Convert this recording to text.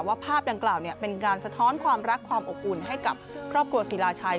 ภาพดังกล่าวเป็นการสะท้อนความรักความอบอุ่นให้กับครอบครัวศิลาชัย